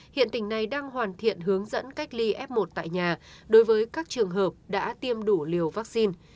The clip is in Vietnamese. hiện tỉnh này đang hoàn thiện hướng dẫn cách ly f một tại nhà đối với các trường hợp đã tiêm đủ liều vaccine